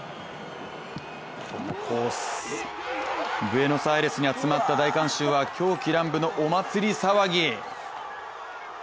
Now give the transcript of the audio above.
このコース、ブエノスアイレスに集まった大観衆は、狂喜乱舞のお祭り騒ぎ！